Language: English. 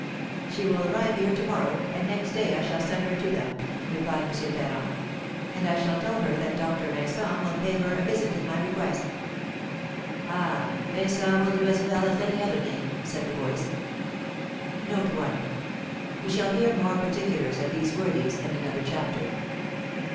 'She will arrive here to morrow, and next day I shall send her to them,' replied M. Ferrand; 'and I shall tell her that Doctor Vincent will pay her a visit at my request.' 'Ah, Vincent will do as well as any other name,' said the voice." We shall hear more particulars of these worthies in another chapter.